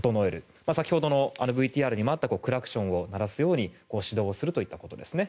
先ほどのＶＴＲにもあったクラクションを鳴らすように指導するといったことですね。